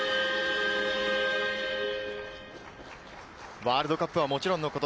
ワールドカップはもちろんのこと